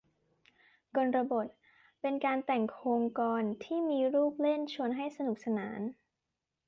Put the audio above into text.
กลบท เป็นการแต่งโคลงกลอนที่มีลูกเล่นชวนให้สนุกสนาน